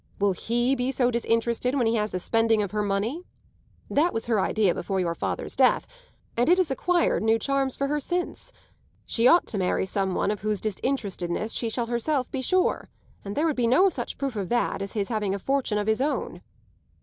Will he be so disinterested when he has the spending of her money? That was her idea before your father's death, and it has acquired new charms for her since. She ought to marry some one of whose disinterestedness she shall herself be sure; and there would be no such proof of that as his having a fortune of his own."